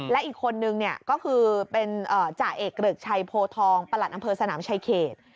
และอีกคนนึงก็คือจ่าเอกหรือชัยโพทองประหลัดอำเภอสนามชัยเขต